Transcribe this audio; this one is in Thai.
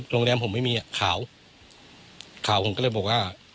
โรงแรมผมไม่มีอ่ะขาวข่าวผมก็เลยบอกว่า